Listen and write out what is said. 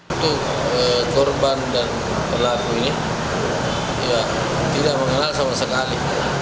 untuk korban dan pelaku ini ya tidak mengenal sama sekali